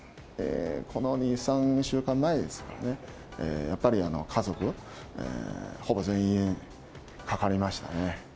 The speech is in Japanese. この２、３週間前ですかね、やっぱり家族ほぼ全員、かかりましたね。